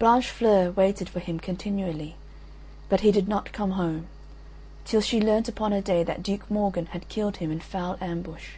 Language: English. Blanchefleur waited for him continually, but he did not come home, till she learnt upon a day that Duke Morgan had killed him in foul ambush.